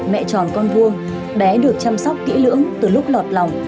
mẹ tròn con vuông bé được chăm sóc kỹ lưỡng từ lúc lọt lòng